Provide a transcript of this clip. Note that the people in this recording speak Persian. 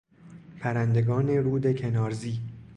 پرندگان رود کنارزی